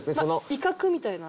威嚇みたいな？